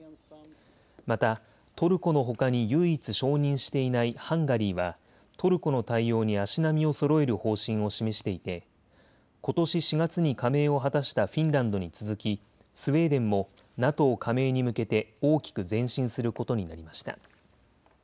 またトルコのほかに唯一承認していないハンガリーはトルコの対応に足並みをそろえる方針を示していてことし４月に加盟を果たしたフィンランドに続きスウェーデンもＮＡＴＯ加盟に向けて大きく前進することになりました。